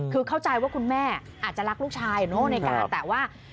คือเข้าใจว่าคุณแม่อาจจะรักลูกชายเนอะในการแต่ว่า